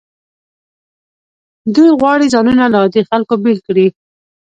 دوی غواړي ځانونه له عادي خلکو بیل کړي.